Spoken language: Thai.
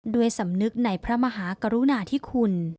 ด้วยสำนึกในพระมหากรุณาธิคุณ